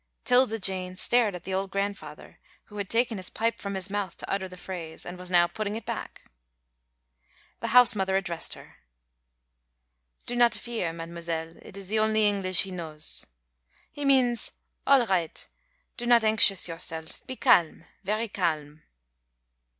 'Tilda Jane stared at the old grandfather, who had taken his pipe from his mouth to utter the phrase, and was now putting it back. The house mother addressed her. "Do not fear, mademoiselle; it is the only English he knows. He means 'all right, do not anxious yourself, be calm, very calm.'"